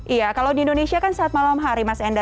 iya kalau di indonesia kan saat malam hari mas enda